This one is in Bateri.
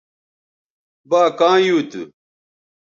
با کاں یُو تھو